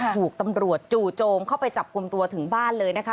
ถูกตำรวจจู่โจมเข้าไปจับกลุ่มตัวถึงบ้านเลยนะคะ